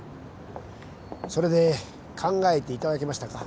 それで考えていただけましたか？